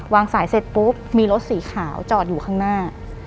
วางสายเสร็จปุ๊บมีรถสีขาวจอดอยู่ข้างหน้า